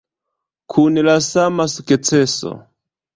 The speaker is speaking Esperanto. Kun la sama sukceso.